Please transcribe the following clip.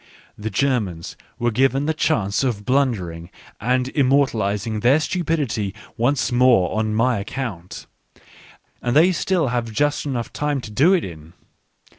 The Germans were given the chance of blundering and immortalising their stupidity once more on my account, and they still have just enough time to do it in.